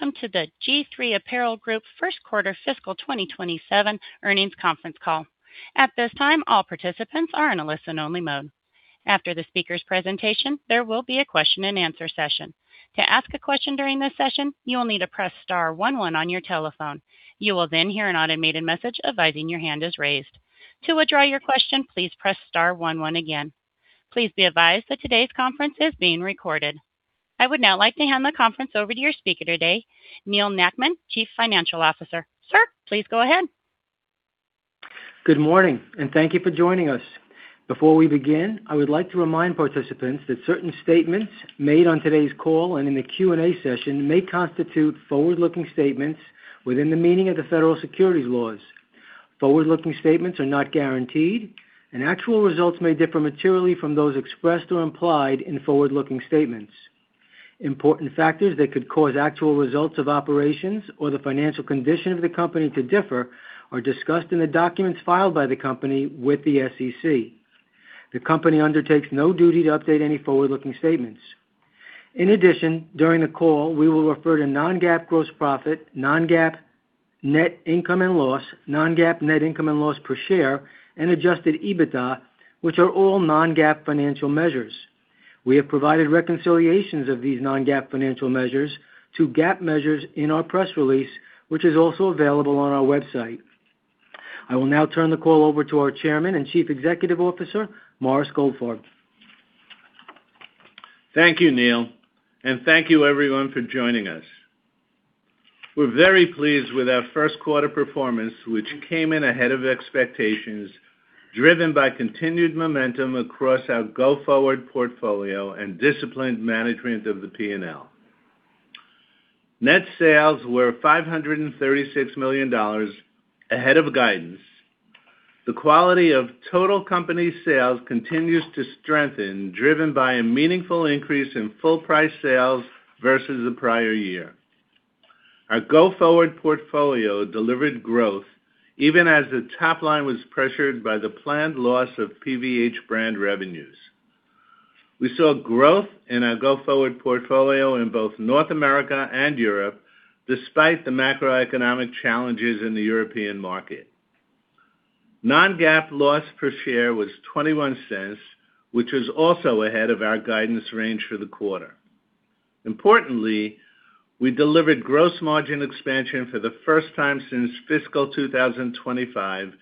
Welcome to the G-III Apparel Group first quarter fiscal 2027 earnings conference call. At this time, all participants are in a listen-only mode. After the speaker's presentation, there will be a question and answer session. To ask a question during this session, you will need to press star one one on your telephone. You will then hear an automated message advising your hand is raised. To withdraw your question, please press star one one again. Please be advised that today's conference is being recorded. I would now like to hand the conference over to your speaker today, Neal Nackman, Chief Financial Officer. Sir, please go ahead. Good morning, and thank you for joining us. Before we begin, I would like to remind participants that certain statements made on today's call and in the Q&A session may constitute forward-looking statements within the meaning of the federal securities laws. Forward-looking statements are not guaranteed, and actual results may differ materially from those expressed or implied in forward-looking statements. Important factors that could cause actual results of operations or the financial condition of the company to differ are discussed in the documents filed by the company with the SEC. The company undertakes no duty to update any forward-looking statements. In addition, during the call, we will refer to non-GAAP gross profit, non-GAAP net income and loss, non-GAAP net income and loss per share, and adjusted EBITDA, which are all non-GAAP financial measures. We have provided reconciliations of these non-GAAP financial measures to GAAP measures in our press release, which is also available on our website. I will now turn the call over to our Chairman and Chief Executive Officer, Morris Goldfarb. Thank you, Neal, and thank you everyone for joining us. We're very pleased with our first quarter performance, which came in ahead of expectations, driven by continued momentum across our go-forward portfolio and disciplined management of the P&L. Net sales were $536 million, ahead of guidance. The quality of total company sales continues to strengthen, driven by a meaningful increase in full price sales versus the prior year. Our go-forward portfolio delivered growth even as the top line was pressured by the planned loss of PVH brand revenues. We saw growth in our go-forward portfolio in both North America and Europe, despite the macroeconomic challenges in the European market. Non-GAAP loss per share was $0.21, which was also ahead of our guidance range for the quarter. Importantly, we delivered gross margin expansion for the first time since fiscal 2025,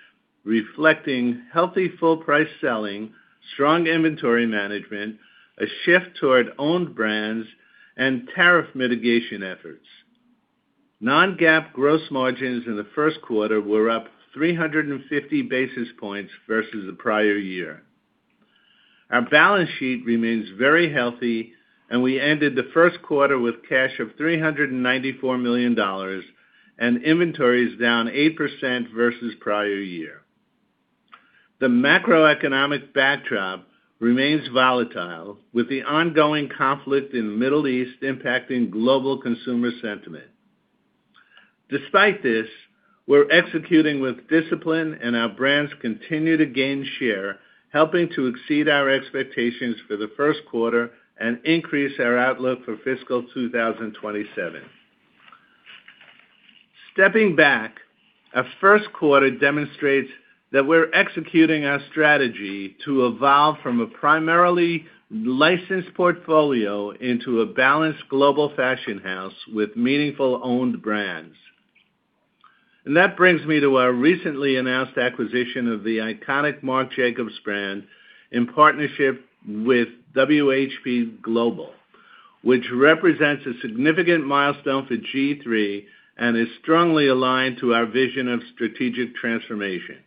reflecting healthy full price selling, strong inventory management, a shift toward owned brands, and tariff mitigation efforts. Non-GAAP gross margins in the first quarter were up 350 basis points versus the prior year. Our balance sheet remains very healthy, and we ended the first quarter with cash of $394 million and inventories down 8% versus prior year. The macroeconomic backdrop remains volatile, with the ongoing conflict in the Middle East impacting global consumer sentiment. Despite this, we're executing with discipline, and our brands continue to gain share, helping to exceed our expectations for the first quarter and increase our outlook for fiscal 2027. Stepping back, our first quarter demonstrates that we're executing our strategy to evolve from a primarily licensed portfolio into a balanced global fashion house with meaningful owned brands. That brings me to our recently announced acquisition of the iconic Marc Jacobs brand in partnership with WHP Global. Which represents a significant milestone for G-III and is strongly aligned to our vision of strategic transformation.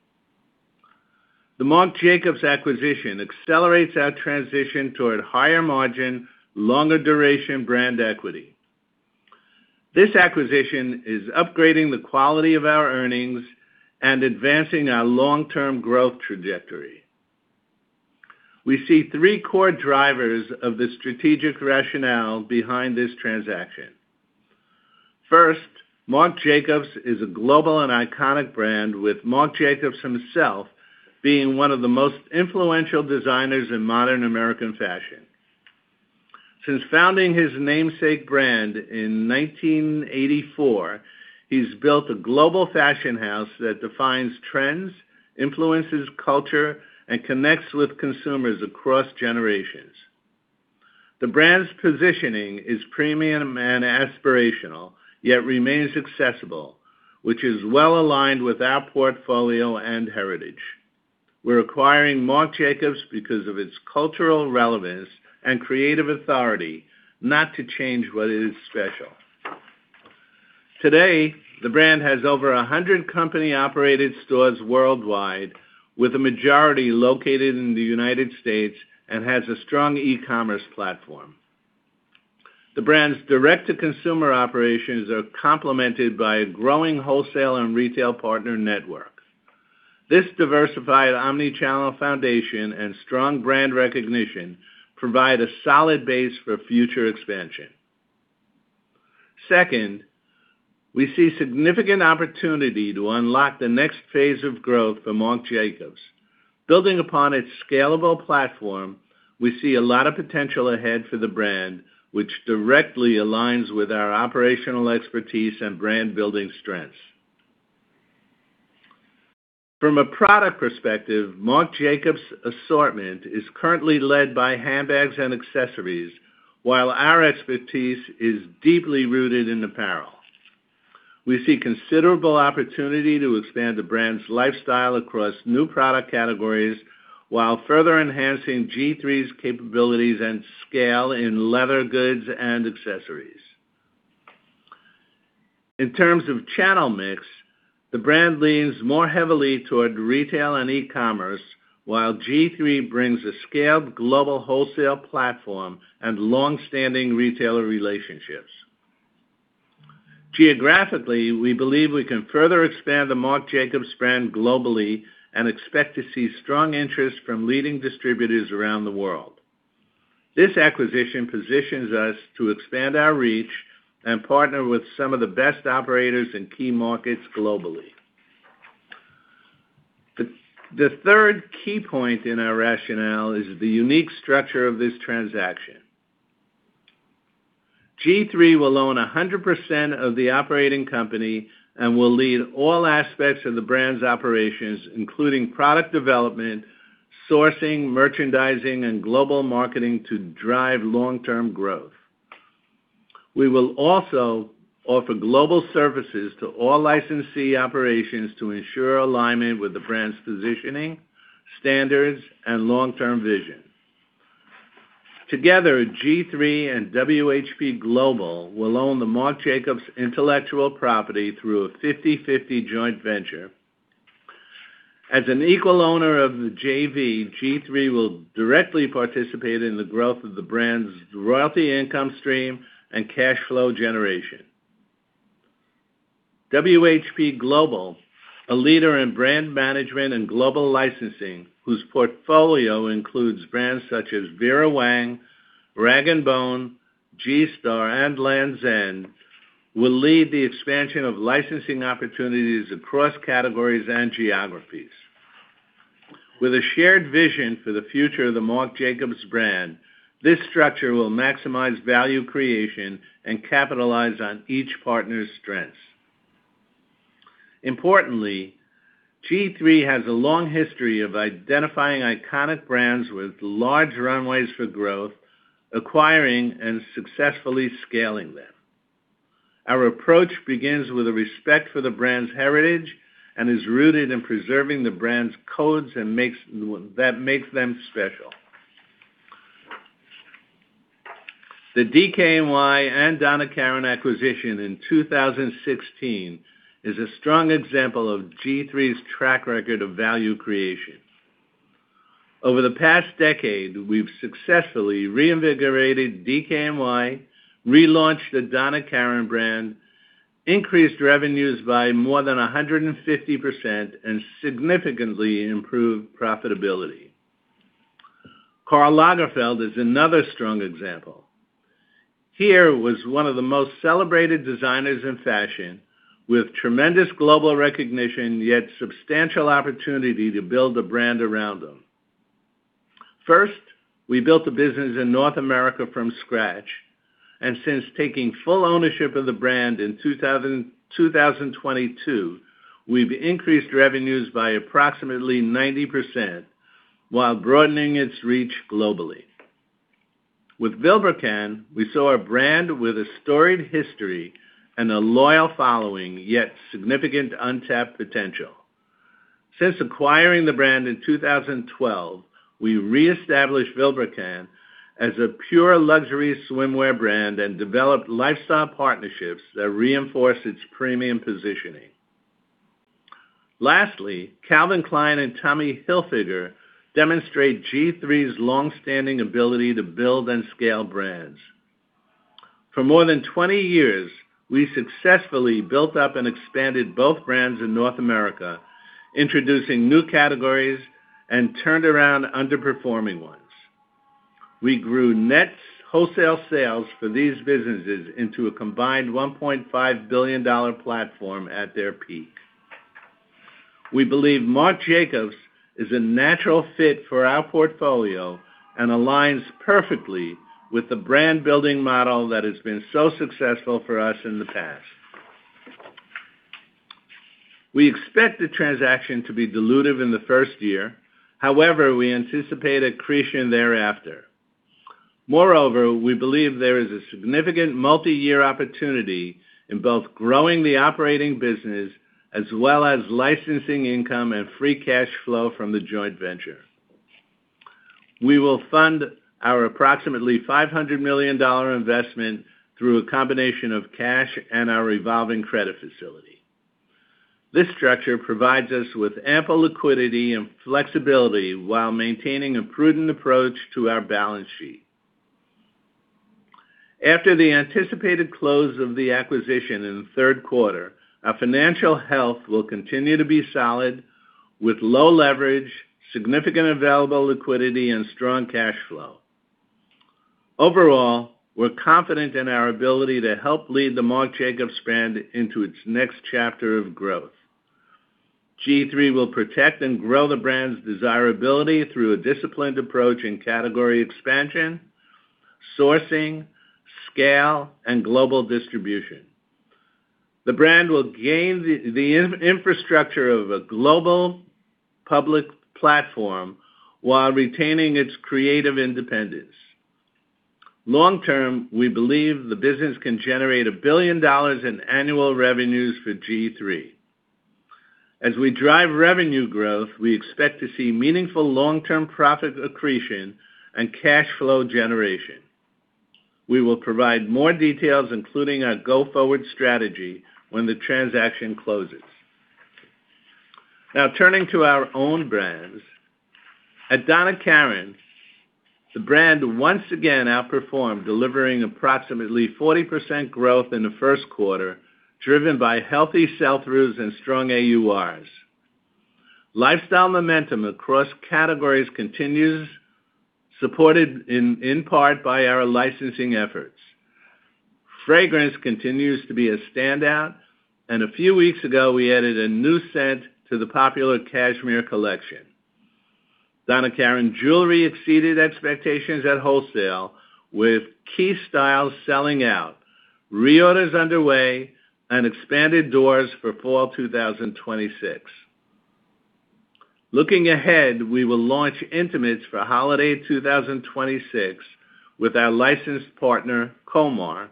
The Marc Jacobs acquisition accelerates our transition toward higher margin, longer duration brand equity. This acquisition is upgrading the quality of our earnings and advancing our long-term growth trajectory. We see three core drivers of the strategic rationale behind this transaction. First, Marc Jacobs is a global and iconic brand, with Marc Jacobs himself being one of the most influential designers in modern American fashion. Since founding his namesake brand in 1984, he's built a global fashion house that defines trends, influences culture, and connects with consumers across generations. The brand's positioning is premium and aspirational, yet remains accessible, which is well-aligned with our portfolio and heritage. We're acquiring Marc Jacobs because of its cultural relevance and creative authority, not to change what is special. Today, the brand has over 100 company-operated stores worldwide, with a majority located in the U.S., and has a strong e-commerce platform. The brand's direct-to-consumer operations are complemented by a growing wholesale and retail partner network. This diversified omnichannel foundation and strong brand recognition provide a solid base for future expansion. Second we see significant opportunity to unlock the next phase of growth for Marc Jacobs. Building upon its scalable platform, we see a lot of potential ahead for the brand, which directly aligns with our operational expertise and brand-building strengths. From a product perspective, Marc Jacobs' assortment is currently led by handbags and accessories, while our expertise is deeply rooted in apparel. We see considerable opportunity to expand the brand's lifestyle across new product categories, while further enhancing G-III's capabilities and scale in leather goods and accessories. In terms of channel mix, the brand leans more heavily toward retail and e-commerce, while G-III brings a scaled global wholesale platform and longstanding retailer relationships. Geographically, we believe we can further expand the Marc Jacobs brand globally and expect to see strong interest from leading distributors around the world. This acquisition positions us to expand our reach and partner with some of the best operators in key markets globally. The third key point in our rationale is the unique structure of this transaction. G-III will own 100% of the operating company and will lead all aspects of the brand's operations, including product development, sourcing, merchandising, and global marketing to drive long-term growth. We will also offer global services to all licensee operations to ensure alignment with the brand's positioning, standards, and long-term vision. Together, G-III and WHP Global will own the Marc Jacobs intellectual property through a 50/50 joint venture. As an equal owner of the JV, G-III will directly participate in the growth of the brand's royalty income stream and cash flow generation. WHP Global, a leader in brand management and global licensing, whose portfolio includes brands such as Vera Wang, rag & bone, G-Star, and Lanvin, will lead the expansion of licensing opportunities across categories and geographies. With a shared vision for the future of the Marc Jacobs brand, this structure will maximize value creation and capitalize on each partner's strengths. Importantly, G-III has a long history of identifying iconic brands with large runways for growth, acquiring, and successfully scaling them. Our approach begins with a respect for the brand's heritage and is rooted in preserving the brand's codes that makes them special. The DKNY and Donna Karan acquisition in 2016 is a strong example of G-III's track record of value creation. Over the past decade, we've successfully reinvigorated DKNY, relaunched the Donna Karan brand, increased revenues by more than 150%, and significantly improved profitability. Karl Lagerfeld is another strong example. Here was one of the most celebrated designers in fashion, with tremendous global recognition, yet substantial opportunity to build a brand around him. First, we built a business in North America from scratch, and since taking full ownership of the brand in 2022, we've increased revenues by approximately 90% while broadening its reach globally. With Vilebrequin, we saw a brand with a storied history and a loyal following, yet significant untapped potential. Since acquiring the brand in 2012, we reestablished Vilebrequin as a pure luxury swimwear brand and developed lifestyle partnerships that reinforce its premium positioning. Calvin Klein and Tommy Hilfiger demonstrate G-III's longstanding ability to build and scale brands. For more than 20 years, we successfully built up and expanded both brands in North America, introducing new categories, and turned around underperforming ones. We grew net wholesale sales for these businesses into a combined $1.5 billion platform at their peak. We believe Marc Jacobs is a natural fit for our portfolio and aligns perfectly with the brand-building model that has been so successful for us in the past. We expect the transaction to be dilutive in the first year. We anticipate accretion thereafter. Moreover, we believe there is a significant multi-year opportunity in both growing the operating business as well as licensing income and free cash flow from the joint venture. We will fund our approximately $500 million investment through a combination of cash and our revolving credit facility. This structure provides us with ample liquidity and flexibility while maintaining a prudent approach to our balance sheet. After the anticipated close of the acquisition in the third quarter, our financial health will continue to be solid with low leverage, significant available liquidity, and strong cash flow. Overall, we're confident in our ability to help lead the Marc Jacobs brand into its next chapter of growth. G-III will protect and grow the brand's desirability through a disciplined approach in category expansion, sourcing, scale, and global distribution. The brand will gain the infrastructure of a global public platform while retaining its creative independence. Long term, we believe the business can generate $1 billion in annual revenues for G-III. As we drive revenue growth, we expect to see meaningful long-term profit accretion and cash flow generation. We will provide more details, including our go-forward strategy, when the transaction closes. Turning to our own brands. At Donna Karan, the brand once again outperformed, delivering approximately 40% growth in the first quarter, driven by healthy sell-throughs and strong AURs. Lifestyle momentum across categories continues, supported in part by our licensing efforts. Fragrance continues to be a standout, and a few weeks ago, we added a new scent to the popular Cashmere Collection. Donna Karan Jewelry exceeded expectations at wholesale with key styles selling out, reorders underway, and expanded doors for fall 2026. Looking ahead, we will launch intimates for holiday 2026 with our licensed partner, Komar,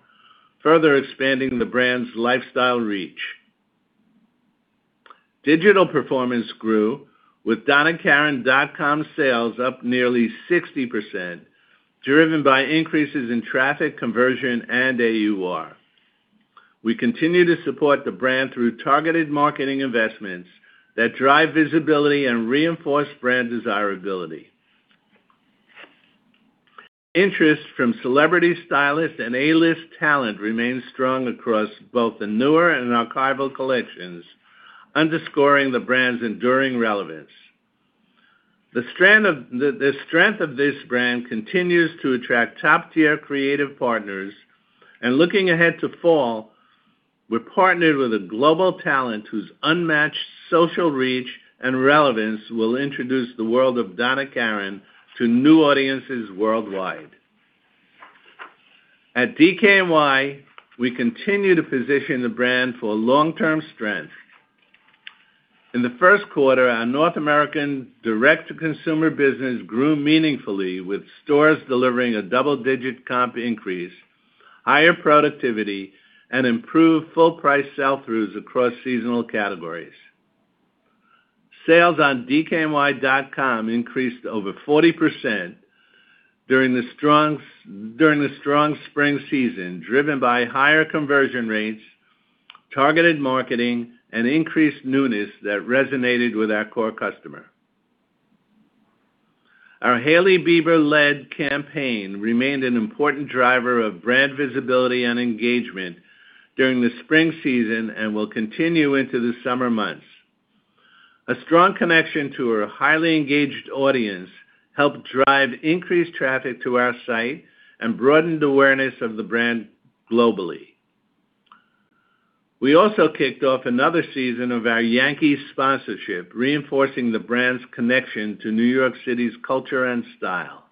further expanding the brand's lifestyle reach. Digital performance grew with donnakaran.com sales up nearly 60%, driven by increases in traffic conversion and AUR. We continue to support the brand through targeted marketing investments that drive visibility and reinforce brand desirability. Interest from celebrity stylists and A-list talent remains strong across both the newer and archival collections, underscoring the brand's enduring relevance. The strength of this brand continues to attract top-tier creative partners, and looking ahead to fall, we're partnered with a global talent whose unmatched social reach and relevance will introduce the world of Donna Karan to new audiences worldwide. At DKNY, we continue to position the brand for long-term strength. In the first quarter, our North American direct-to-consumer business grew meaningfully with stores delivering a double-digit comp increase, higher productivity, and improved full price sell-throughs across seasonal categories. Sales on dkny.com increased over 40% during the strong spring season, driven by higher conversion rates, targeted marketing, and increased newness that resonated with our core customer. Our Hailey Bieber-led campaign remained an important driver of brand visibility and engagement during the spring season and will continue into the summer months. A strong connection to her highly engaged audience helped drive increased traffic to our site and broadened awareness of the brand globally. We also kicked off another season of our Yankees sponsorship, reinforcing the brand's connection to New York City's culture and style.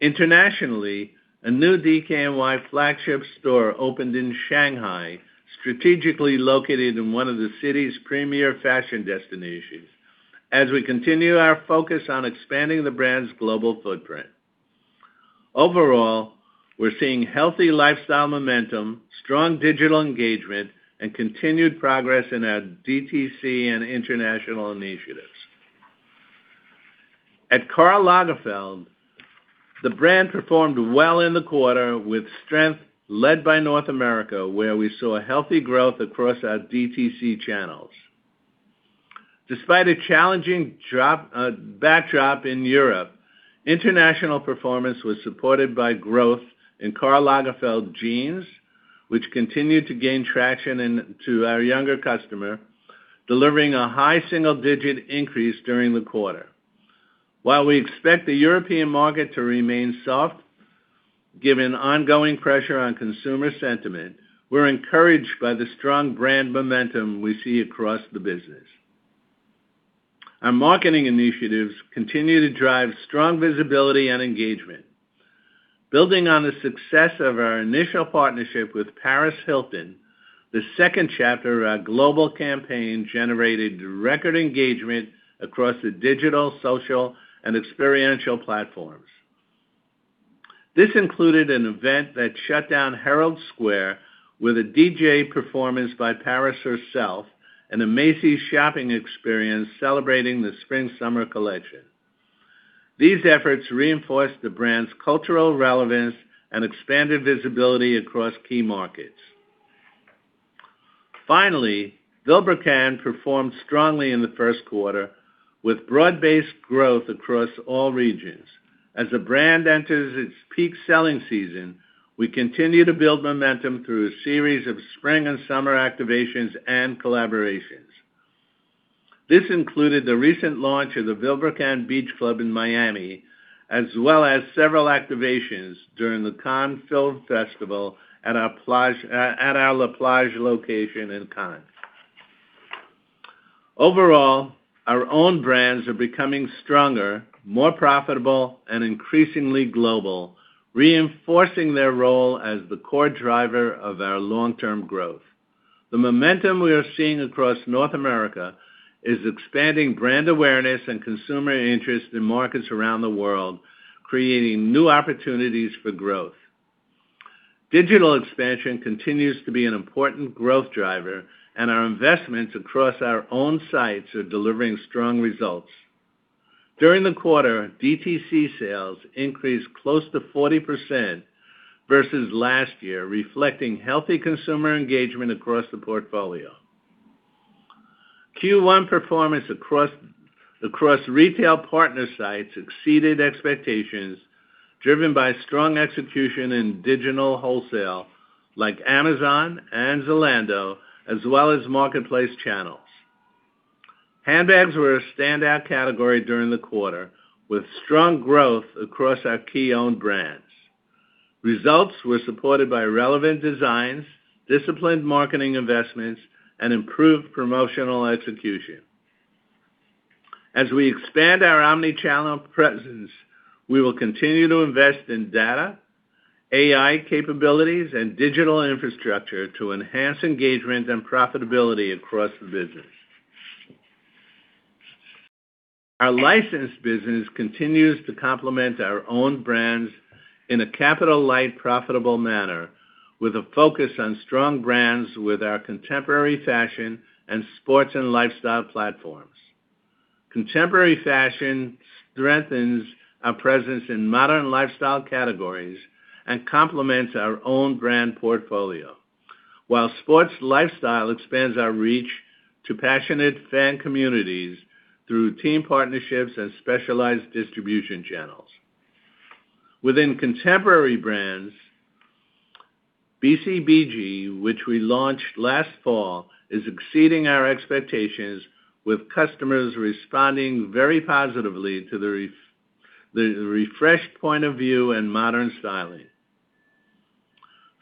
Internationally, a new DKNY flagship store opened in Shanghai, strategically located in one of the city's premier fashion destinations as we continue our focus on expanding the brand's global footprint. Overall, we're seeing healthy lifestyle momentum, strong digital engagement, and continued progress in our DTC and international initiatives. At Karl Lagerfeld, the brand performed well in the quarter with strength led by North America, where we saw healthy growth across our DTC channels. Despite a challenging backdrop in Europe, international performance was supported by growth in Karl Lagerfeld Jeans, which continued to gain traction to our younger customer, delivering a high single-digit increase during the quarter. While we expect the European market to remain soft, given ongoing pressure on consumer sentiment, we're encouraged by the strong brand momentum we see across the business. Our marketing initiatives continue to drive strong visibility and engagement. Building on the success of our initial partnership with Paris Hilton, the second chapter of our global campaign generated record engagement across the digital, social, and experiential platforms. This included an event that shut down Herald Square with a DJ performance by Paris herself and a Macy's shopping experience celebrating the spring-summer collection. These efforts reinforced the brand's cultural relevance and expanded visibility across key markets. Finally, Vilebrequin performed strongly in the first quarter with broad-based growth across all regions. As the brand enters its peak selling season, we continue to build momentum through a series of spring and summer activations and collaborations. This included the recent launch of the Vilebrequin Beach Club in Miami, as well as several activations during the Cannes Film Festival at our La Plage location in Cannes. Overall, our own brands are becoming stronger, more profitable, and increasingly global, reinforcing their role as the core driver of our long-term growth. The momentum we are seeing across North America is expanding brand awareness and consumer interest in markets around the world, creating new opportunities for growth. Our investments across our own sites are delivering strong results. During the quarter, DTC sales increased close to 40% versus last year, reflecting healthy consumer engagement across the portfolio. Q1 performance across retail partner sites exceeded expectations, driven by strong execution in digital wholesale, like Amazon and Zalando, as well as marketplace channels. Handbags were a standout category during the quarter, with strong growth across our key owned brands. Results were supported by relevant designs, disciplined marketing investments, and improved promotional execution. As we expand our omni-channel presence, we will continue to invest in data, AI capabilities, and digital infrastructure to enhance engagement and profitability across the business. Our licensed business continues to complement our own brands in a capital-light, profitable manner with a focus on strong brands with our contemporary fashion and sports and lifestyle platforms. Contemporary fashion strengthens our presence in modern lifestyle categories and complements our own brand portfolio, while sports lifestyle expands our reach to passionate fan communities through team partnerships and specialized distribution channels. Within contemporary brands, BCBG, which we launched last fall, is exceeding our expectations with customers responding very positively to the refreshed point of view and modern styling.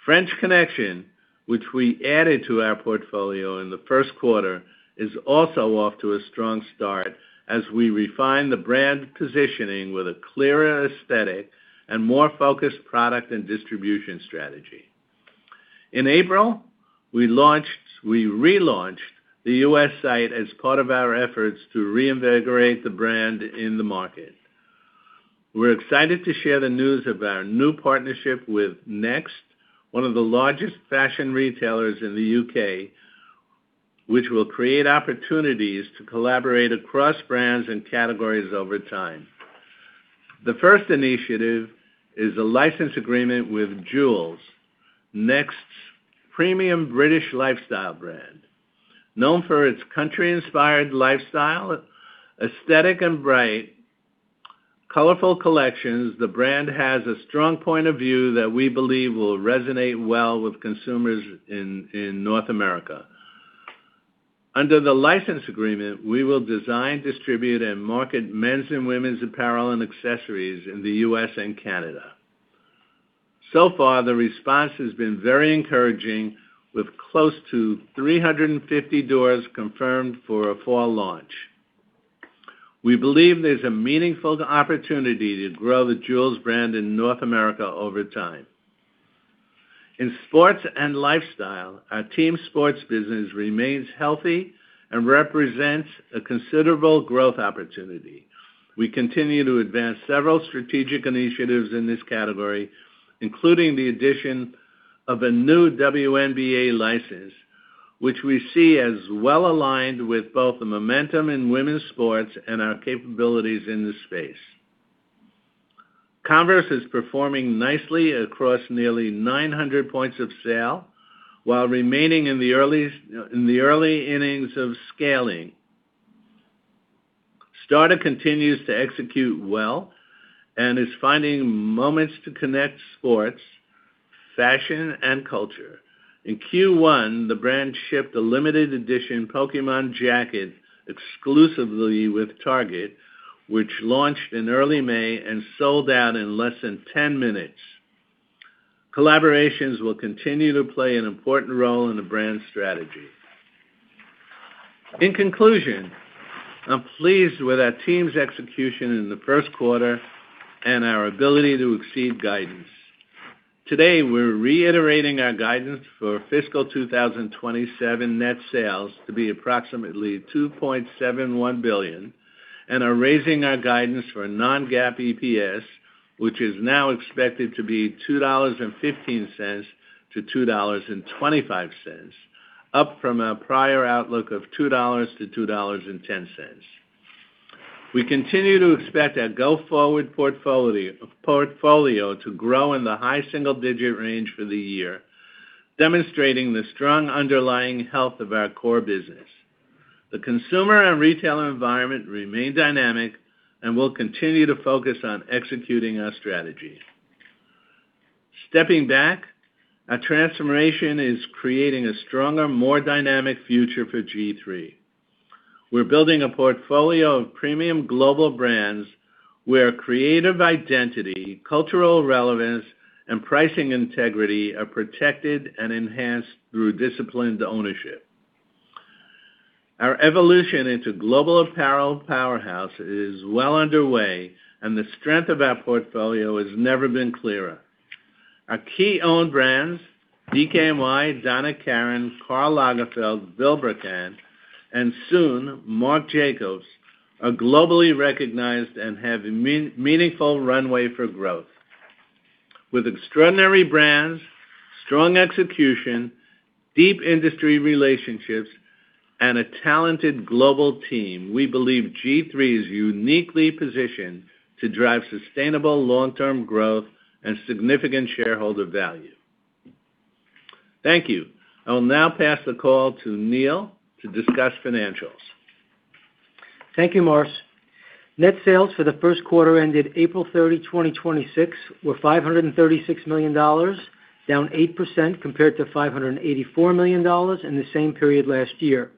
French Connection, which we added to our portfolio in the first quarter, is also off to a strong start as we refine the brand positioning with a clearer aesthetic and more focused product and distribution strategy. In April, we relaunched the U.S. site as part of our efforts to reinvigorate the brand in the market. We're excited to share the news of our new partnership with Next, one of the largest fashion retailers in the U.K., which will create opportunities to collaborate across brands and categories over time. The first initiative is a license agreement with Joules, Next's premium British lifestyle brand. Known for its country-inspired lifestyle aesthetic and bright, colorful collections, the brand has a strong point of view that we believe will resonate well with consumers in North America. Under the license agreement, we will design, distribute, and market men's and women's apparel and accessories in the U.S. and Canada. The response has been very encouraging with close to 350 doors confirmed for a fall launch. We believe there's a meaningful opportunity to grow the Joules brand in North America over time. In sports and lifestyle, our team sports business remains healthy and represents a considerable growth opportunity. We continue to advance several strategic initiatives in this category, including the addition of a new WNBA license, which we see as well-aligned with both the momentum in women's sports and our capabilities in this space. Converse is performing nicely across nearly 900 points of sale while remaining in the early innings of scaling. Starter continues to execute well and is finding moments to connect sports, fashion, and culture. In Q1, the brand shipped a limited edition Pokémon jacket exclusively with Target, which launched in early May and sold out in less than 10 minutes. Collaborations will continue to play an important role in the brand strategy. In conclusion, I'm pleased with our team's execution in the first quarter and our ability to exceed guidance. Today, we're reiterating our guidance for fiscal 2027 net sales to be approximately $2.71 billion and are raising our guidance for non-GAAP EPS, which is now expected to be $2.15-$2.25, up from our prior outlook of $2.00-$2.10. We continue to expect our go-forward portfolio to grow in the high single-digit range for the year, demonstrating the strong underlying health of our core business. The consumer and retailer environment remain dynamic, and we'll continue to focus on executing our strategy. Stepping back, our transformation is creating a stronger, more dynamic future for G-III. We're building a portfolio of premium global brands where creative identity, cultural relevance, and pricing integrity are protected and enhanced through disciplined ownership. Our evolution into global apparel powerhouse is well underway, and the strength of our portfolio has never been clearer. Our key owned brands, DKNY, Donna Karan, Karl Lagerfeld, Vilebrequin, and soon, Marc Jacobs, are globally recognized and have a meaningful runway for growth. With extraordinary brands, strong execution, deep industry relationships, and a talented global team, we believe G-III is uniquely positioned to drive sustainable long-term growth and significant shareholder value. Thank you. I will now pass the call to Neal to discuss financials. Thank you, Morris. Net sales for the first quarter ended April 30, 2026, were $536 million, down 8% compared to $584 million in the same period last year.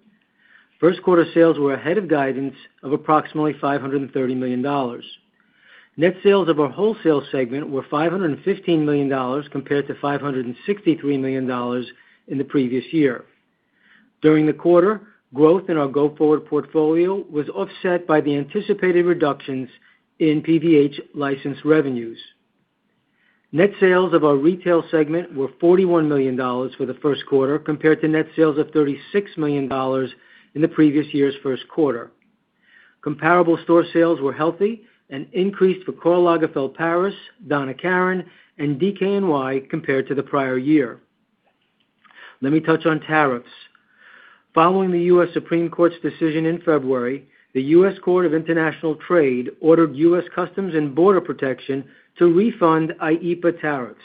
First quarter sales were ahead of guidance of approximately $530 million. Net sales of our wholesale segment were $515 million, compared to $563 million in the previous year. During the quarter, growth in our go-forward portfolio was offset by the anticipated reductions in PVH license revenues. Net sales of our retail segment were $41 million for the first quarter, compared to net sales of $36 million in the previous year's first quarter. Comparable store sales were healthy and increased for Karl Lagerfeld Paris, Donna Karan, and DKNY compared to the prior year. Let me touch on tariffs. Following the U.S. Supreme Court's decision in February, the U.S. Court of International Trade ordered U.S. Customs and Border Protection to refund IEEPA tariffs.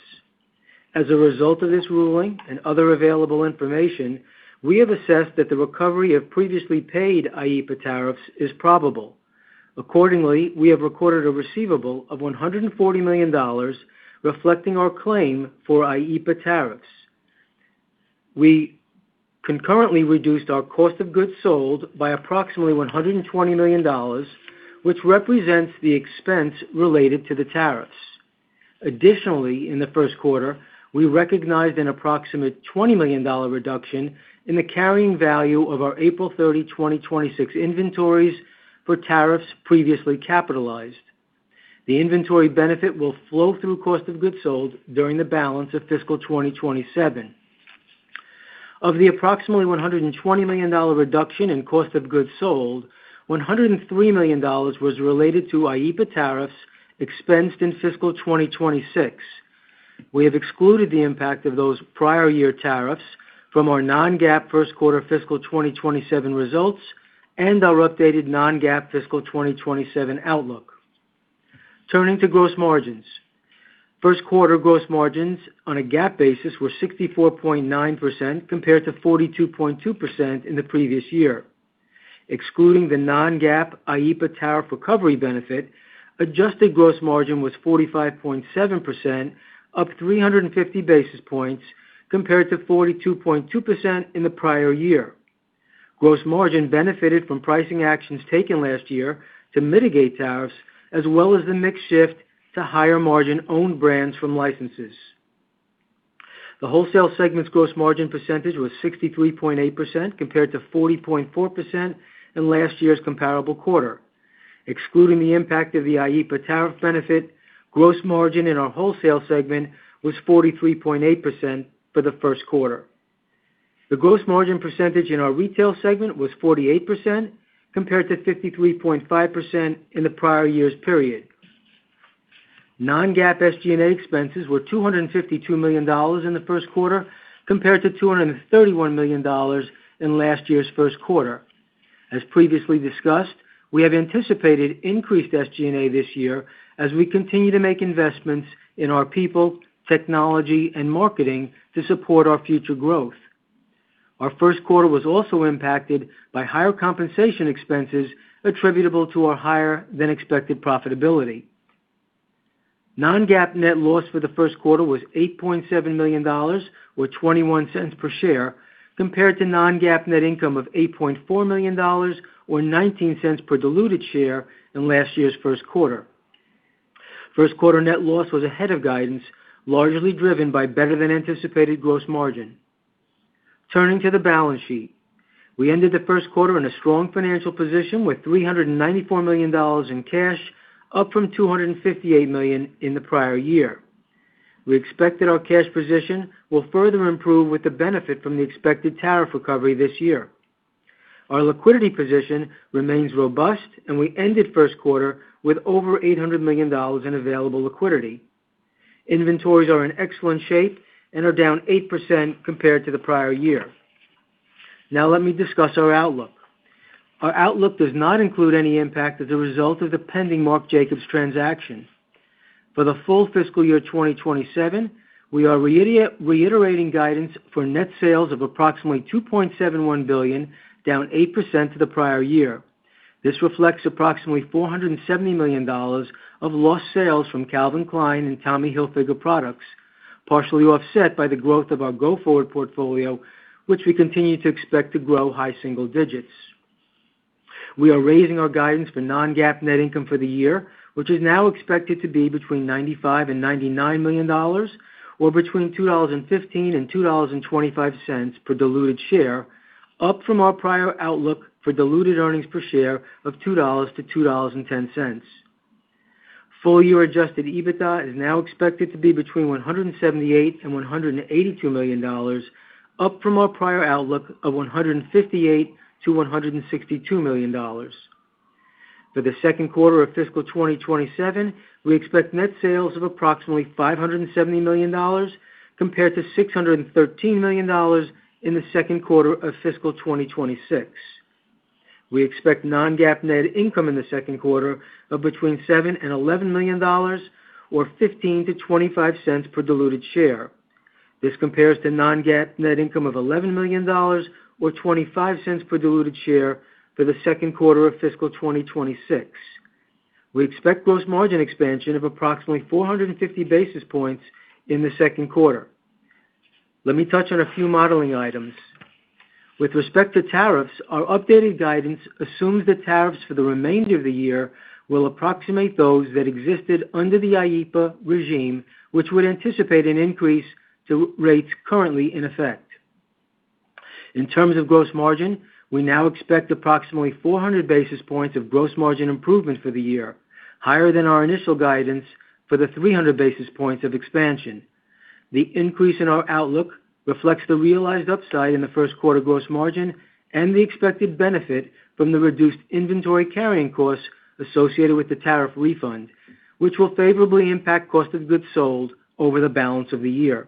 As a result of this ruling and other available information, we have assessed that the recovery of previously paid IEEPA tariffs is probable. Accordingly, we have recorded a receivable of $140 million reflecting our claim for IEEPA tariffs. We concurrently reduced our cost of goods sold by approximately $120 million, which represents the expense related to the tariffs. Additionally, in the first quarter, we recognized an approximate $20 million reduction in the carrying value of our April 30, 2026 inventories for tariffs previously capitalized. The inventory benefit will flow through cost of goods sold during the balance of fiscal 2027. Of the approximately $120 million reduction in cost of goods sold, $103 million was related to IEEPA tariffs expensed in fiscal 2026. We have excluded the impact of those prior year tariffs from our non-GAAP first quarter fiscal 2027 results and our updated non-GAAP fiscal 2027 outlook. Turning to gross margins. First quarter gross margins on a GAAP basis were 64.9% compared to 42.2% in the previous year. Excluding the non-GAAP IEEPA tariff recovery benefit, adjusted gross margin was 45.7%, up 350 basis points compared to 42.2% in the prior year. Gross margin benefited from pricing actions taken last year to mitigate tariffs, as well as the mix shift to higher margin owned brands from licenses. The wholesale segment's gross margin percentage was 63.8%, compared to 40.4% in last year's comparable quarter. Excluding the impact of the IEEPA tariff benefit, gross margin in our wholesale segment was 43.8% for the first quarter. The gross margin percentage in our retail segment was 48%, compared to 53.5% in the prior year's period. Non-GAAP SG&A expenses were $252 million in the first quarter, compared to $231 million in last year's first quarter. As previously discussed, we have anticipated increased SG&A this year as we continue to make investments in our people, technology, and marketing to support our future growth. Our first quarter was also impacted by higher compensation expenses attributable to our higher than expected profitability. Non-GAAP net loss for the first quarter was $8.7 million, or $0.21 per share, compared to non-GAAP net income of $8.4 million, or $0.19 per diluted share in last year's first quarter. First quarter net loss was ahead of guidance, largely driven by better than anticipated gross margin. Turning to the balance sheet. We ended the first quarter in a strong financial position with $394 million in cash, up from $258 million in the prior year. We expect that our cash position will further improve with the benefit from the expected tariff recovery this year. Our liquidity position remains robust, and we ended the first quarter with over $800 million in available liquidity. Inventories are in excellent shape and are down 8% compared to the prior year. Let me discuss our outlook. Our outlook does not include any impact as a result of the pending Marc Jacobs transaction. For the full fiscal year 2027, we are reiterating guidance for net sales of approximately $2.71 billion, down 8% to the prior year. This reflects approximately $470 million of lost sales from Calvin Klein and Tommy Hilfiger products, partially offset by the growth of our go-forward portfolio, which we continue to expect to grow high single digits. We are raising our guidance for non-GAAP net income for the year, which is now expected to be between $95 million and $99 million, or between $2.15 and $2.25 per diluted share, up from our prior outlook for diluted earnings per share of $2.00-$2.10. Full-year adjusted EBITDA is now expected to be between $178 million and $182 million, up from our prior outlook of $158 million-$162 million. For the second quarter of fiscal 2027, we expect net sales of approximately $570 million compared to $613 million in the second quarter of fiscal 2026. We expect non-GAAP net income in the second quarter of between $7 million and $11 million or $0.15-$0.25 per diluted share. This compares to non-GAAP net income of $11 million or $0.25 per diluted share for the second quarter of fiscal 2026. We expect gross margin expansion of approximately 450 basis points in the second quarter. Let me touch on a few modeling items. With respect to tariffs, our updated guidance assumes that tariffs for the remainder of the year will approximate those that existed under the IEEPA regime, which would anticipate an increase to rates currently in effect. In terms of gross margin, we now expect approximately 400 basis points of gross margin improvement for the year, higher than our initial guidance for the 300 basis points of expansion. The increase in our outlook reflects the realized upside in the first quarter gross margin and the expected benefit from the reduced inventory carrying costs associated with the tariff refund, which will favorably impact cost of goods sold over the balance of the year.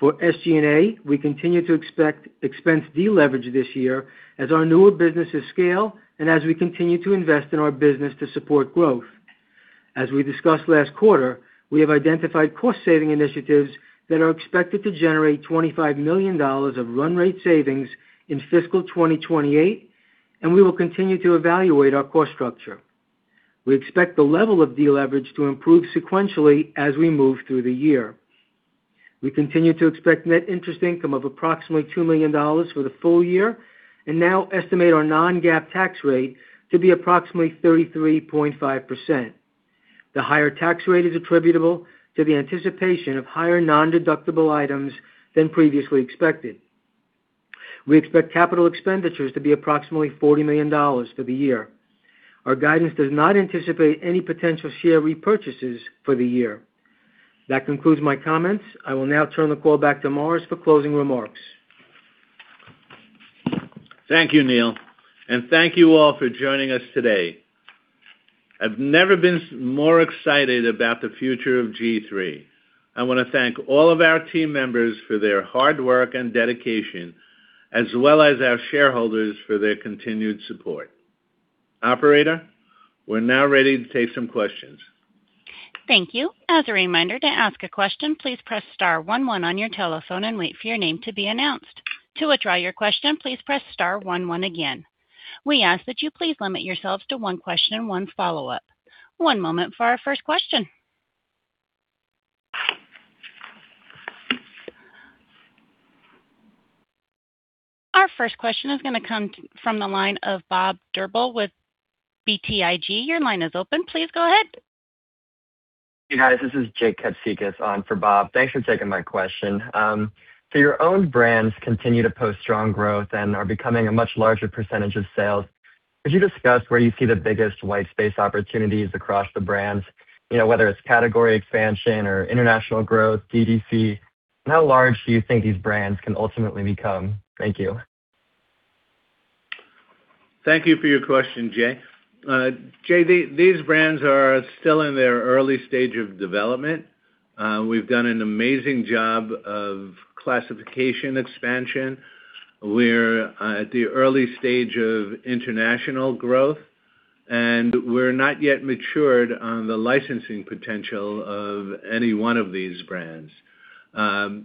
For SG&A, we continue to expect expense deleverage this year as our newer businesses scale and as we continue to invest in our business to support growth. As we discussed last quarter, we have identified cost-saving initiatives that are expected to generate $25 million of run rate savings in fiscal 2028. We will continue to evaluate our cost structure. We expect the level of deleverage to improve sequentially as we move through the year. We continue to expect net interest income of approximately $2 million for the full year and now estimate our non-GAAP tax rate to be approximately 33.5%. The higher tax rate is attributable to the anticipation of higher non-deductible items than previously expected. We expect capital expenditures to be approximately $40 million for the year. Our guidance does not anticipate any potential share repurchases for the year. That concludes my comments. I will now turn the call back to Morris for closing remarks. Thank you, Neal, and thank you all for joining us today. I've never been more excited about the future of G-III. I want to thank all of our team members for their hard work and dedication, as well as our shareholders for their continued support. Operator, we're now ready to take some questions. Thank you. As a reminder, to ask a question, please press star one one on your telephone and wait for your name to be announced. To withdraw your question, please press star one one again. We ask that you please limit yourselves to one question and one follow-up. One moment for our first question. Our first question is going to come from the line of Bob Drbul with BTIG. Your line is open. Please go ahead. Hey, guys. This is Jake Katsikis on for Bob. Thanks for taking my question. Your own brands continue to post strong growth and are becoming a much larger percentage of sales. Could you discuss where you see the biggest white space opportunities across the brands? Whether it's category expansion or international growth, DTC, and how large do you think these brands can ultimately become? Thank you. Thank you for your question, Jake. Jake, these brands are still in their early stage of development. We've done an amazing job of classification expansion. We're at the early stage of international growth, and we're not yet matured on the licensing potential of any one of these brands. We'll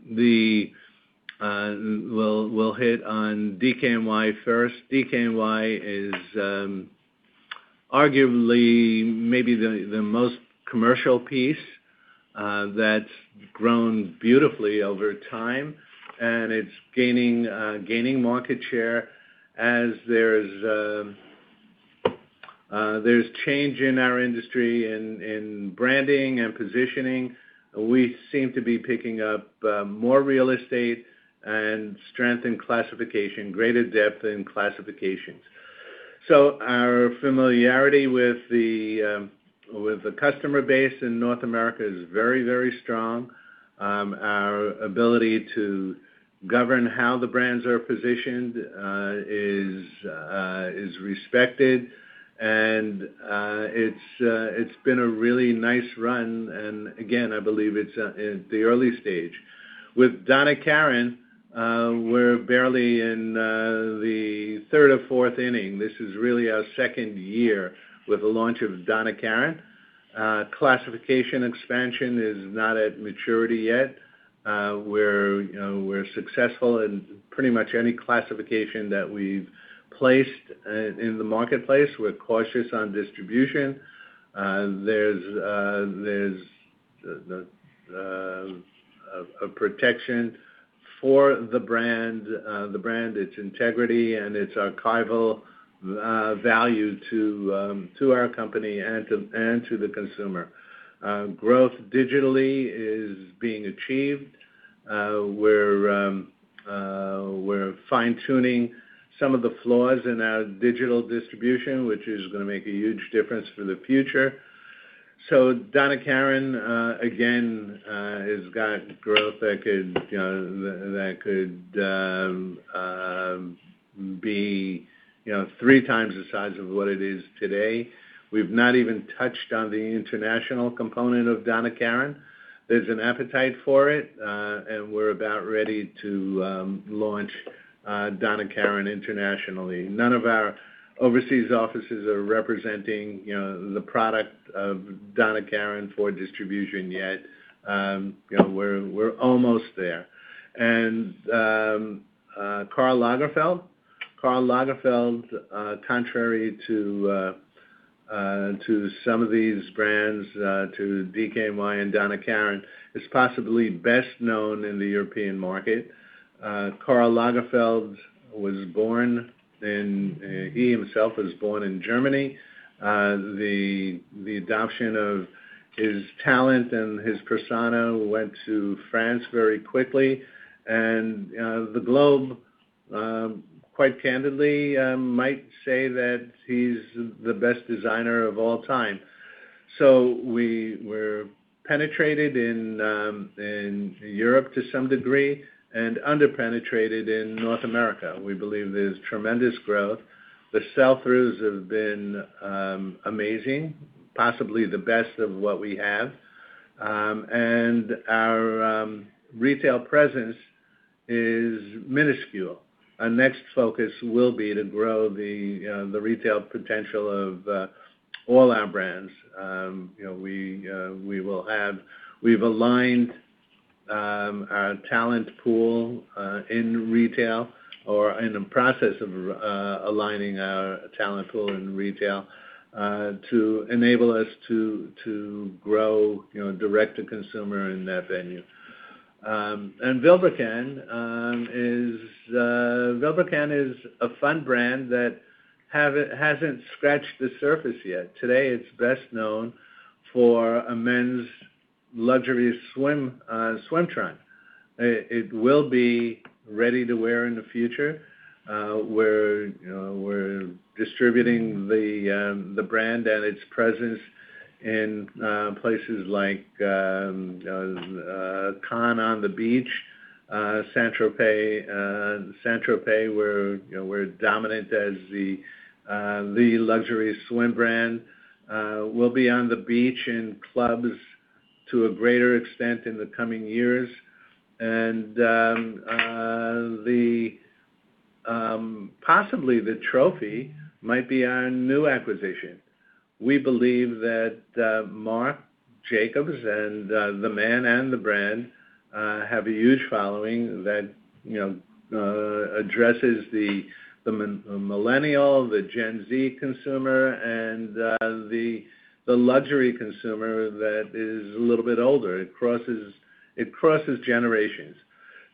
hit on DKNY first. DKNY is arguably maybe the most commercial piece that's grown beautifully over time, and it's gaining market share. As there's change in our industry in branding and positioning, we seem to be picking up more real estate and strength in classification, greater depth in classifications. Our familiarity with the customer base in North America is very strong. Our ability to govern how the brands are positioned is respected, and it's been a really nice run, and again, I believe it's the early stage. With Donna Karan, we're barely in the third or fourth inning. This is really our second year with the launch of Donna Karan. Classification expansion is not at maturity yet. We're successful in pretty much any classification that we've placed in the marketplace. We're cautious on distribution. There's a protection for the brand, its integrity, and its archival value to our company and to the consumer. Growth digitally is being achieved. We're fine-tuning some of the flaws in our digital distribution, which is going to make a huge difference for the future. Donna Karan, again, has got growth that could be three times the size of what it is today. We've not even touched on the international component of Donna Karan. There's an appetite for it, and we're about ready to launch Donna Karan internationally. None of our overseas offices are representing the product of Donna Karan for distribution yet. We're almost there. Karl Lagerfeld. Karl Lagerfeld, contrary to some of these brands, to DKNY and Donna Karan, is possibly best known in the European market. Karl Lagerfeld, he himself was born in Germany. The adoption of his talent and his persona went to France very quickly, and the globe, quite candidly, might say that he's the best designer of all time. We were penetrated in Europe to some degree and under-penetrated in North America. We believe there's tremendous growth. The sell-throughs have been amazing, possibly the best of what we have. Our retail presence is minuscule. Our next focus will be to grow the retail potential of all our brands. We've aligned our talent pool in retail or are in the process of aligning our talent pool in retail to enable us to grow direct to consumer in that venue. Vilebrequin is a fun brand that hasn't scratched the surface yet. Today, it's best known for a men's luxury swim trunk. It will be ready to wear in the future. We're distributing the brand and its presence in places like Cannes on the beach, Saint-Tropez. Saint-Tropez, we're dominant as the luxury swim brand. We'll be on the beach in clubs to a greater extent in the coming years. Possibly the trophy might be our new acquisition. We believe that Marc Jacobs, and the man and the brand, have a huge following that addresses the millennial, the Gen Z consumer, and the luxury consumer that is a little bit older. It crosses generations.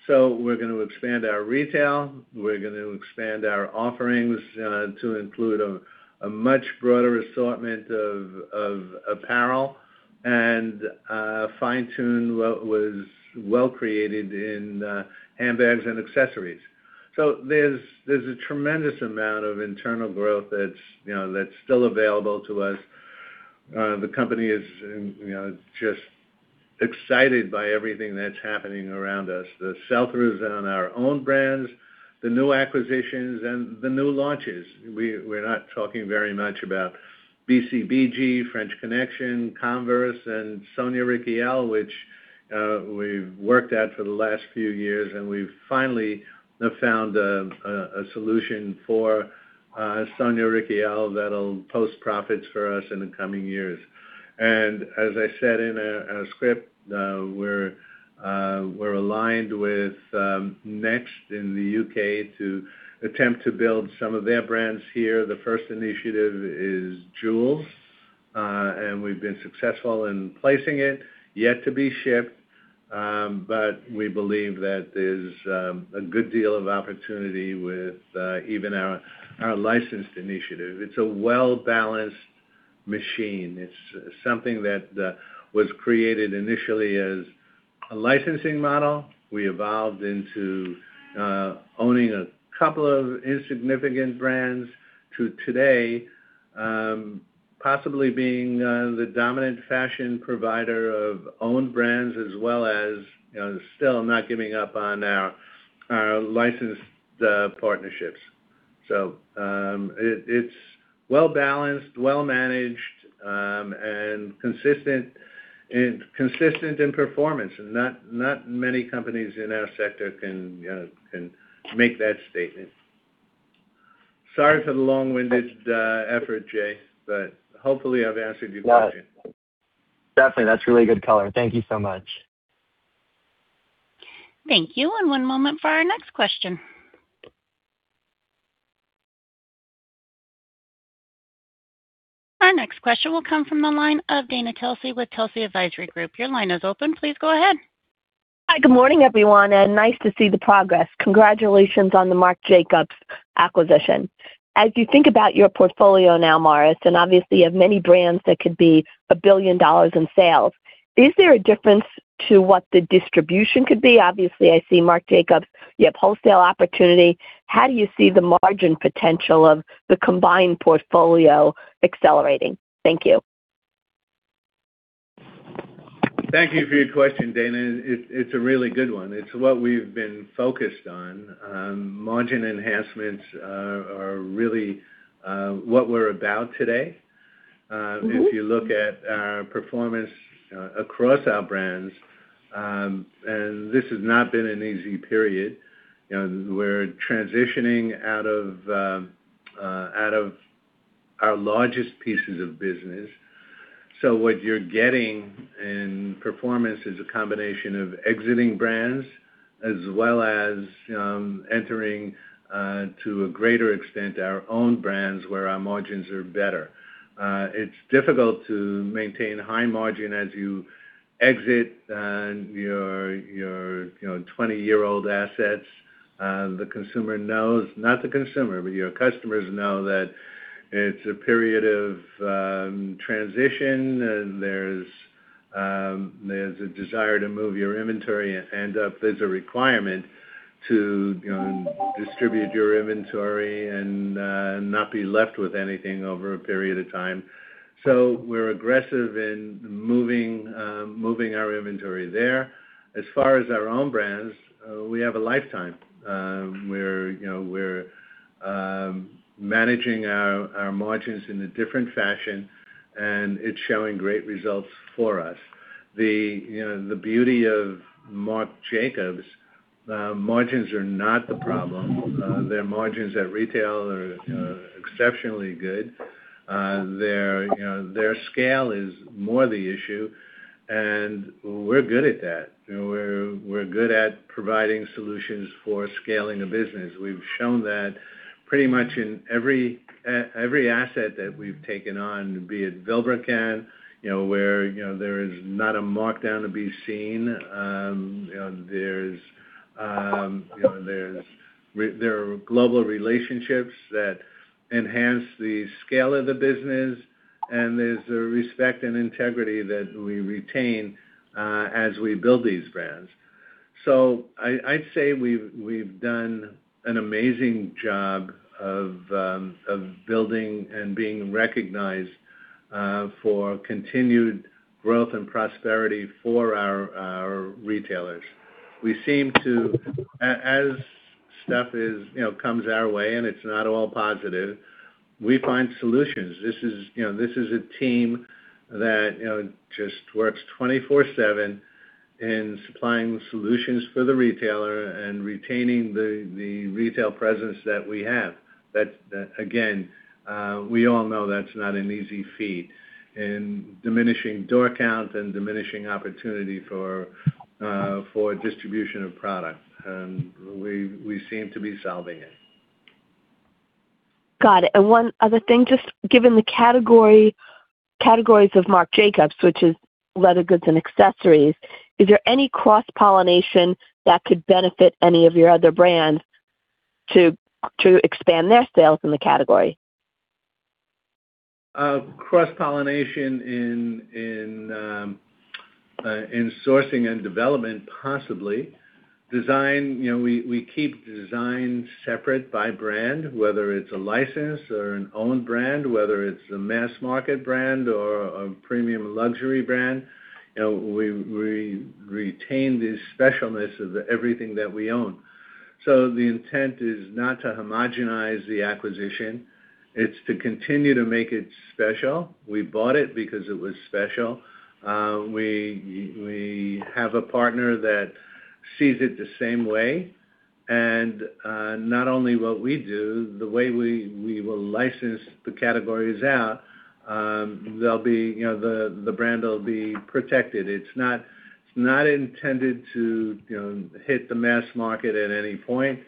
We're going to expand our retail, we're going to expand our offerings to include a much broader assortment of apparel, and fine-tune what was well-created in handbags and accessories. There's a tremendous amount of internal growth that's still available to us. The company is just excited by everything that's happening around us. The sell-throughs on our own brands, the new acquisitions, and the new launches. We're not talking very much about BCBG, French Connection, Converse, and Sonia Rykiel, which we've worked at for the last few years, and we've finally found a solution for Sonia Rykiel that'll post profits for us in the coming years. As I said in our script, we're aligned with Next in the U.K. to attempt to build some of their brands here. The first initiative is Joules, and we've been successful in placing it. Yet to be shipped, we believe that there's a good deal of opportunity with even our licensed initiative. It's a well-balanced machine. It's something that was created initially as a licensing model. We evolved into owning a couple of insignificant brands to today possibly being the dominant fashion provider of owned brands as well as still not giving up on our licensed partnerships. It's well-balanced, well-managed, and consistent in performance, and not many companies in our sector can make that statement. Sorry for the long-winded effort, Jake, but hopefully I've answered your question. Got it. Definitely, that's really good color. Thank you so much. Thank you. One moment for our next question. Our next question will come from the line of Dana Telsey with Telsey Advisory Group. Your line is open. Please go ahead. Hi, good morning, everyone, and nice to see the progress. Congratulations on the Marc Jacobs acquisition. As you think about your portfolio now, Morris, and obviously you have many brands that could be a $1 billion in sales, is there a difference to what the distribution could be? Obviously, I see Marc Jacobs, you have wholesale opportunity. How do you see the margin potential of the combined portfolio accelerating? Thank you. Thank you for your question, Dana. It's a really good one. It's what we've been focused on. Margin enhancements are really what we're about today. If you look at our performance across our brands, and this has not been an easy period. We're transitioning out of our largest pieces of business. What you're getting in performance is a combination of exiting brands as well as entering, to a greater extent, our own brands where our margins are better. It's difficult to maintain high margin as you exit your 20-year-old assets. Your customers know that it's a period of transition, and there's a desire to move your inventory, and there's a requirement to distribute your inventory and not be left with anything over a period of time. We're aggressive in moving our inventory there. As far as our own brands, we have a lifetime. We're managing our margins in a different fashion, and it's showing great results for us. The beauty of Marc Jacobs, margins are not the problem. Their margins at retail are exceptionally good. Their scale is more the issue, and we're good at that. We're good at providing solutions for scaling a business. We've shown that pretty much in every asset that we've taken on, be it Vilebrequin, where there is not a markdown to be seen. There are global relationships that enhance the scale of the business, and there's a respect and integrity that we retain as we build these brands. I'd say we've done an amazing job of building and being recognized for continued growth and prosperity for our retailers. We seem to, as stuff comes our way, and it's not all positive, we find solutions. This is a team that just works 24/7 in supplying solutions for the retailer and retaining the retail presence that we have. That, again, we all know that's not an easy feat in diminishing door count and diminishing opportunity for distribution of product. We seem to be solving it. Got it. One other thing, just given the categories of Marc Jacobs, which is leather goods and accessories, is there any cross-pollination that could benefit any of your other brands to expand their sales in the category? Cross-pollination in sourcing and development, possibly. Design, we keep design separate by brand, whether it's a license or an owned brand, whether it's a mass market brand or a premium luxury brand. We retain the specialness of everything that we own. The intent is not to homogenize the acquisition. It's to continue to make it special. We bought it because it was special. We have a partner that sees it the same way. Not only what we do, the way we will license the categories out, the brand will be protected. It's not intended to hit the mass market at any point.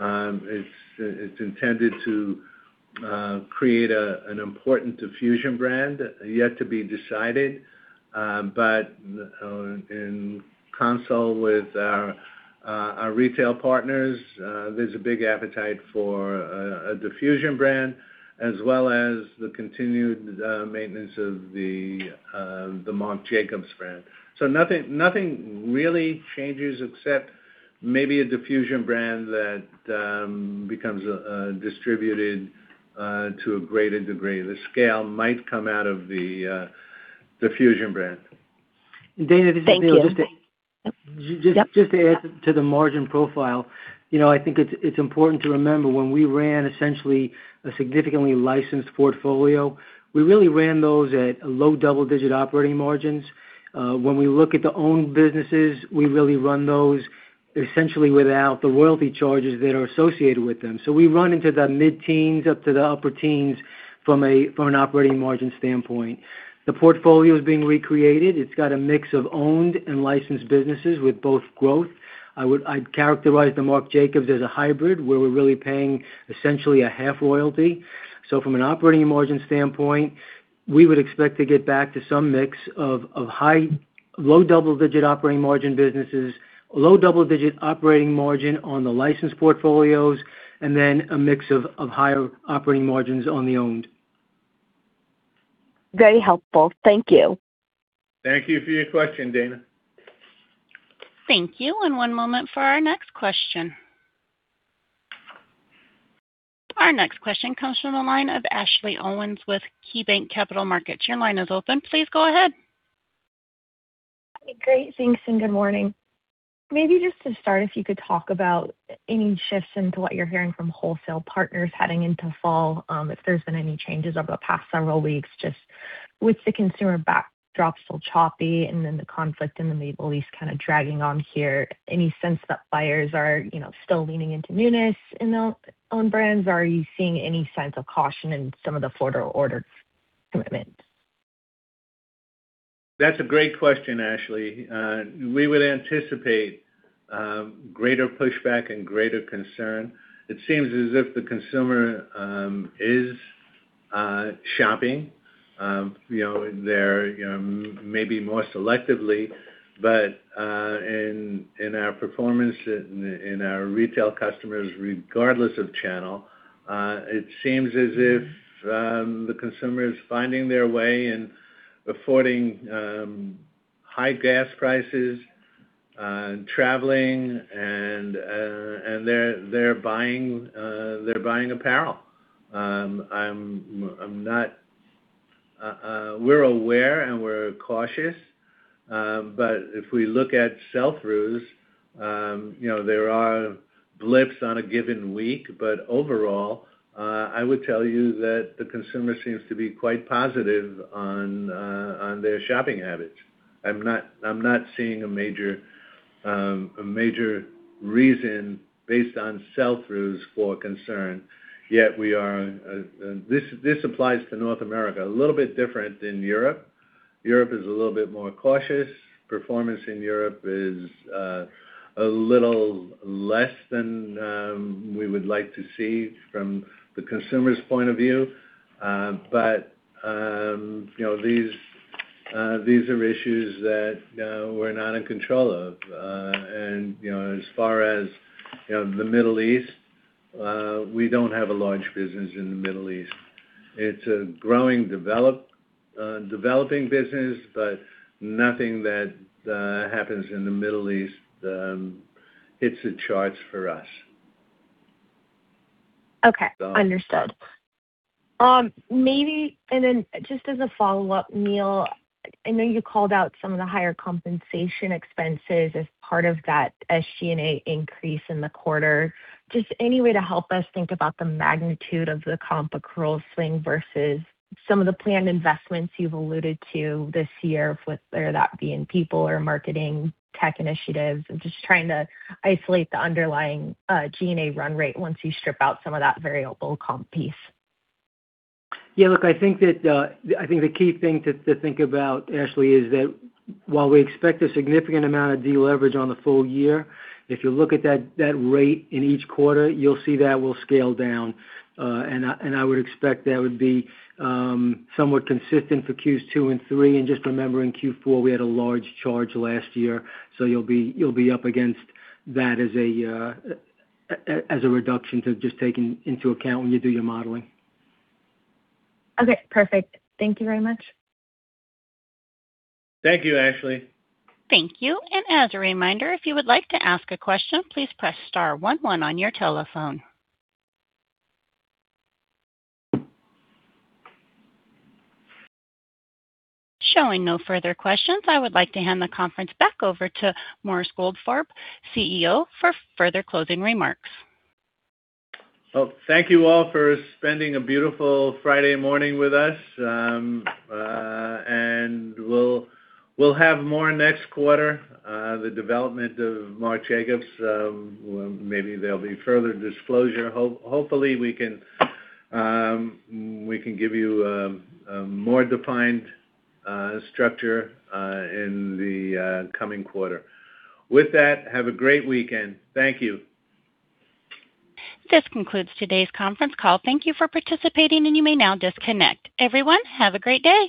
It's intended to create an important diffusion brand yet to be decided. In console with our retail partners, there's a big appetite for a diffusion brand as well as the continued maintenance of the Marc Jacobs brand. Nothing really changes except maybe a diffusion brand that becomes distributed to a greater degree. The scale might come out of the diffusion brand. Thank you. Dana, this is Neal. Yeah. Just to add to the margin profile, I think it's important to remember when we ran essentially a significantly licensed portfolio, we really ran those at low double-digit operating margins. When we look at the owned businesses, we really run those essentially without the royalty charges that are associated with them. We run into the mid-teens, up to the upper teens from an operating margin standpoint. The portfolio is being recreated. It's got a mix of owned and licensed businesses with both growth. I'd characterize the Marc Jacobs as a hybrid, where we're really paying essentially a half royalty. From an operating margin standpoint, we would expect to get back to some mix of low double-digit operating margin businesses, low double-digit operating margin on the licensed portfolios, and then a mix of higher operating margins on the owned. Very helpful. Thank you. Thank you for your question, Dana. Thank you. One moment for our next question. Our next question comes from the line of Ashley Owens with KeyBanc Capital Markets. Your line is open. Please go ahead. Great. Thanks, and good morning. Maybe just to start, if you could talk about any shifts into what you're hearing from wholesale partners heading into fall, if there's been any changes over the past several weeks, just with the consumer backdrop still choppy and then the conflict in the Middle East kind of dragging on here. Any sense that buyers are still leaning into newness in their own brands? Are you seeing any signs of caution in some of the forward order commitments? That's a great question, Ashley. We would anticipate greater pushback and greater concern. In our performance, in our retail customers, regardless of channel, it seems as if the consumer is finding their way and affording high gas prices, traveling, and they're buying apparel. We're aware, and we're cautious. If we look at sell-throughs, there are blips on a given week. Overall, I would tell you that the consumer seems to be quite positive on their shopping habits. I'm not seeing a major reason based on sell-throughs for concern. This applies to North America. A little bit different in Europe. Europe is a little bit more cautious. Performance in Europe is a little less than we would like to see from the consumer's point of view. These are issues that we're not in control of. As far as the Middle East, we don't have a large business in the Middle East. It's a growing, developing business, but nothing that happens in the Middle East hits the charts for us. Okay. Understood. Just as a follow-up, Neal, I know you called out some of the higher compensation expenses as part of that SG&A increase in the quarter. Just any way to help us think about the magnitude of the comp accrual sling versus some of the planned investments you've alluded to this year, whether that be in people or marketing, tech initiatives. I'm just trying to isolate the underlying G&A run rate once you strip out some of that variable comp piece. Yeah, look, I think the key thing to think about, Ashley, is that while we expect a significant amount of deleverage on the full year, if you look at that rate in each quarter, you'll see that will scale down. I would expect that would be somewhat consistent for Q2 and Q3. Just remember, in Q4, we had a large charge last year, so you'll be up against that as a reduction to just take into account when you do your modeling. Okay, perfect. Thank you very much. Thank you, Ashley. Thank you. As a reminder, if you would like to ask a question, please press star one one on your telephone. Showing no further questions, I would like to hand the conference back over to Morris Goldfarb, CEO, for further closing remarks. Well, thank you all for spending a beautiful Friday morning with us. We'll have more next quarter. The development of Marc Jacobs, maybe there'll be further disclosure. Hopefully, we can give you a more defined structure in the coming quarter. With that, have a great weekend. Thank you. This concludes today's conference call. Thank you for participating, and you may now disconnect. Everyone, have a great day.